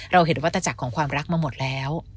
เราเห็นวัตจักรของความรักมาหมดแล้ว